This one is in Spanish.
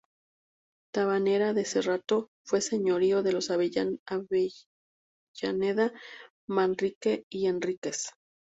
Tabanera de Cerrato fue señorío de los Avellaneda, Manrique y Enríquez.